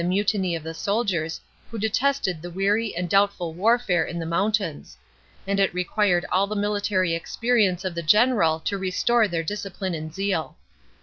mutiny of the soldiers, who detested the weary and doubtful war fare in the mountains ; and it required all the military experience of the general to restore their discipline and zeal.